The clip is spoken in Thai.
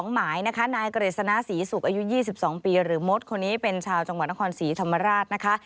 หมายนะคะนายกฤษณะศรีศุกร์อายุ๒๒ปีหรือมดคนนี้เป็นชาวจังหวัดนครศรีธรรมราชนะคะ